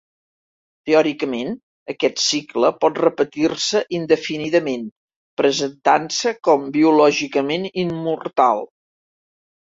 Teòricament, aquest cicle pot repetir-se indefinidament, presentant-se com biològicament immortal.